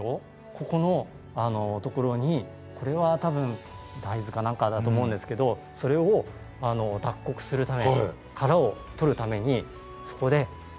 ここのところにこれは多分大豆か何かだと思うんですけどそれを脱穀するために殻を取るためにそこで刺して。